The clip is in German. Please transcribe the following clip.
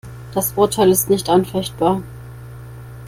Das Urteil ist nicht anfechtbar.